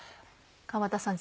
川畑さん